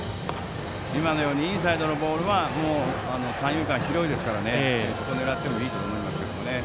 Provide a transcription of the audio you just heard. インサイドのボールは三遊間、広いですからそこを狙ってもいいと思います。